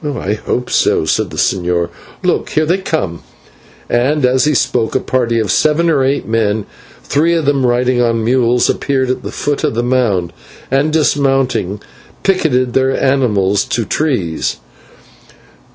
"I hope so," said the señor. "Look, here they come," and as he spoke a party of seven or eight men, three of them riding on mules, appeared at the foot of the mound, and, dismounting, picketed their animals to trees.